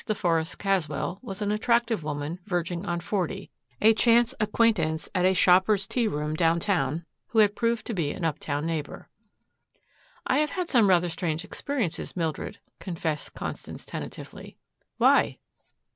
deForest Caswell was an attractive woman verging on forty, a chance acquaintance at a shoppers' tea room downtown who had proved to be an uptown neighbor. "I have had some rather strange experiences, Mildred," confessed Constance tentatively. "Why!"